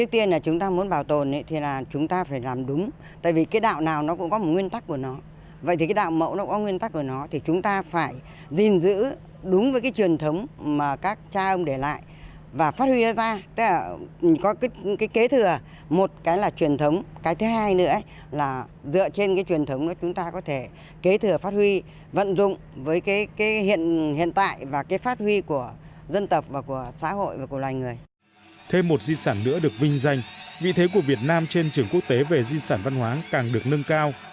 thêm một di sản nữa được vinh danh vị thế của việt nam trên trường quốc tế về di sản văn hóa càng được nâng cao